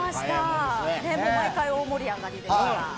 毎回、大盛り上がりです。